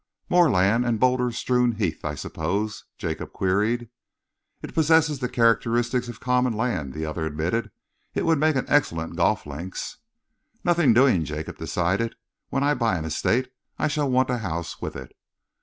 "Moorland and boulder strewn heath, I suppose?" Jacob queried. "It possesses the characteristics of common land," the other admitted. "It would make an excellent golf links." "Nothing doing," Jacob decided. "When I buy an estate, I shall want a house with it."